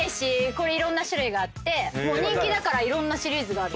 これいろんな種類があって人気だからいろんなシリーズがある。